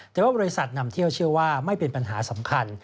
แต่ว่าบริษัทนำเที่ยวเชื่อว่าไม่เป็นปัญหาสำคัญ